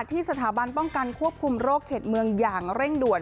ที่สถาบันป้องกันควบคุมโรคเขตเมืองอย่างเร่งด่วน